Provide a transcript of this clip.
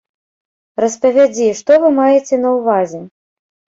Распавядзі, што вы маеце на ўвазе?